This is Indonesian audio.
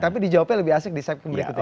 tapi dijawabnya lebih asik di segmen berikutnya